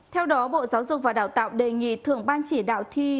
theo đó bộ giáo dục và đào tạo đề nghị thượng ban chỉ đạo thi